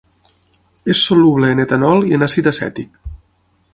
És soluble en etanol i en àcid acètic.